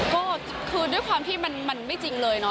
ก็คือด้วยความที่มันไม่จริงเลยเนาะ